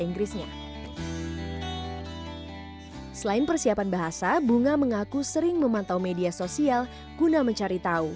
inggrisnya selain persiapan bahasa bunga mengaku sering memantau media sosial guna mencari tahu